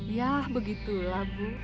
yah begitulah bu